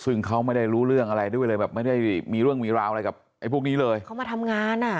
ซึ่งเขาไม่ได้รู้เรื่องอะไรด้วยเลยแบบไม่ได้มีเรื่องมีราวอะไรกับไอ้พวกนี้เลยเขามาทำงานอ่ะ